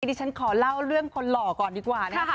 ดิฉันขอเล่าเรื่องคนหล่อก่อนดีกว่านะคะ